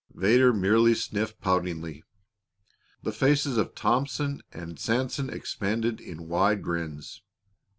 Vedder merely sniffed poutingly. The faces of Tompkins and Sanson expanded in wide grins.